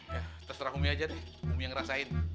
ya terserah umi aja nih umi yang ngerasain